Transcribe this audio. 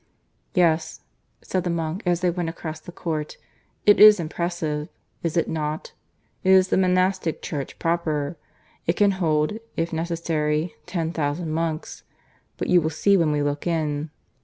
"Yes," said the monk, as they went across the court, "It is impressive, is it not? It is the monastic church proper. It can hold, if necessary, ten thousand monks. But you will see when we look in.